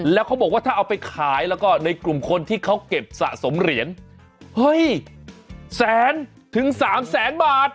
แล้วเขาบอกว่าถ้าเอาไปขายแล้วก็ในกลุ่มคนที่เขาเก็บสะสมเหรียญเฮ้ยแสนถึงสามแสนบาท